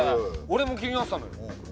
俺も気になってたのよ。